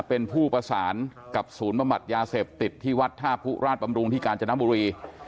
เป็นผู้ประสานกับศูนย์บำบัดยาเสพติดที่วัดท่าผู้ราชบำรุงที่กาญจนบุรี